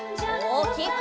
おおきく！